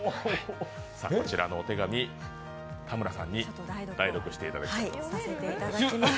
こちらのお手紙、田村さんに代読していただきたいと思います。